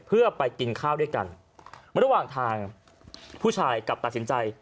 เพื่อไปกินข้าวด้วยกันระหว่างทางผู้ชายกลับตัดสินใจ